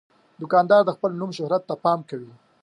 دوکاندار د خپل نوم شهرت ته پام کوي.